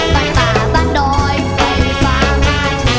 บ้านป่าบ้านดอยไฟฟ้ามาที่นี่